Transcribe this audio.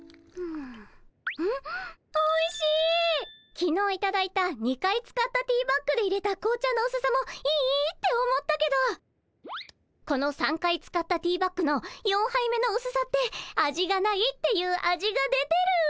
きのういただいた２回使ったティーバッグでいれた紅茶のうすさもいいって思ったけどこの３回使ったティーバッグの４杯目のうすさって味がないっていう味が出てる！